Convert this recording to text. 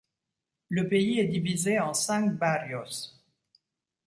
Le pays est divisé en cinq barrios.